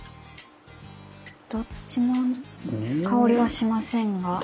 どっちも香りはしませんが。